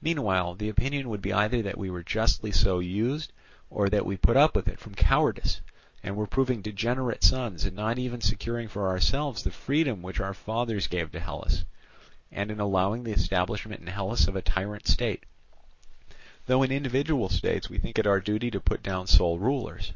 Meanwhile the opinion would be either that we were justly so used, or that we put up with it from cowardice, and were proving degenerate sons in not even securing for ourselves the freedom which our fathers gave to Hellas; and in allowing the establishment in Hellas of a tyrant state, though in individual states we think it our duty to put down sole rulers.